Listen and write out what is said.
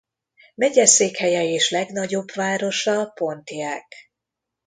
Megyeszékhelye és legnagyobb városa Pontiac.